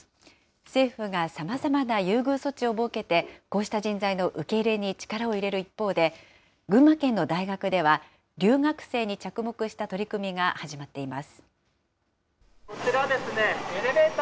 政府がさまざまな優遇措置を設けて、こうした人材の受け入れに力を入れる一方で、群馬県の大学では、留学生に着目した取り組みが始まっています。